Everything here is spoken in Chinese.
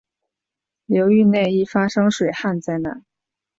流域内易发生水旱灾害。